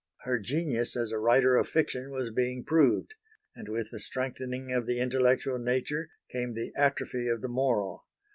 Her genius as a writer of fiction was being proved; and with the strengthening of the intellectual nature came the atrophy of the moral.